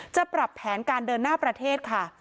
จะปรับแผนการเดินหน้าประเทศค่ะ